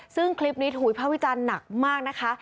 ซึ่งคลิปนี้ถูกวิภาควิจารณ์หนักมากนะคะ